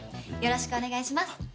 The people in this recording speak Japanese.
よろしくお願いします。